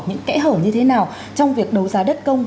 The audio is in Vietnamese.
những kẽ hở như thế nào trong việc đấu giá đất công